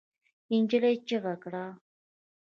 نجلۍ چيغه کړه.